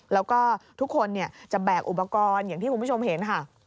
แล้วก็ทุกคนจะแบกอุปกรณ์อย่างที่คุณผู้ชมเห็นค่ะ